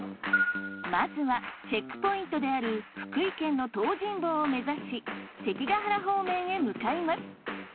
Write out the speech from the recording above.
まずはチェックポイントである福井県の東尋坊を目指し関ケ原方面へ向かいます。